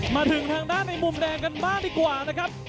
มาถึงทางด้านในมุมแดงกันบ้างดีกว่านะครับ